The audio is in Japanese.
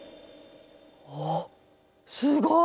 おっすごい！